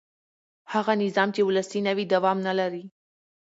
هغه نظام چې ولسي نه وي دوام نه لري